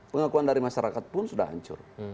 pengakuan dari masyarakat pun sudah hancur